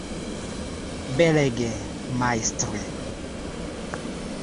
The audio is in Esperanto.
Belege, majstre!